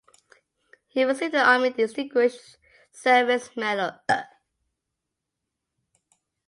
He received the Army Distinguished Service Medal.